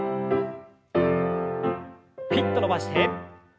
ピッと伸ばして。